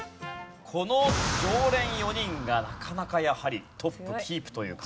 この常連４人がなかなかやはりトップキープという。